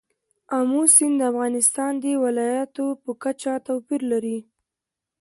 آمو سیند د افغانستان د ولایاتو په کچه توپیر لري.